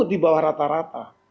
di bawah rata rata